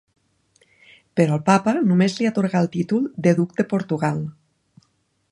Però el Papa només li atorgà el títol de duc de Portugal.